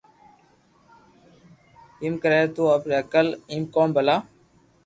ايم ڪري تو ايتي نقل ايم ڪون ڀلا